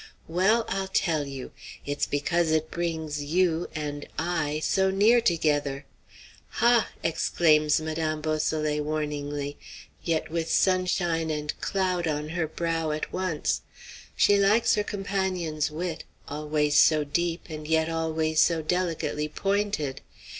"Well, I'll tell you; it's because it brings U and I so near together." "Hah!" exclaims Madame Beausoleil, warningly, yet with sunshine and cloud on her brow at once. She likes her companion's wit, always so deep, and yet always so delicately pointed!